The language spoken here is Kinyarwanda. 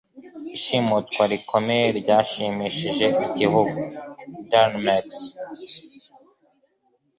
Ishimutwa rikomeye ryashimishije igihugu (darinmex)